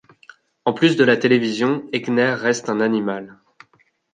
En plus de la télévision, Egner reste un animal.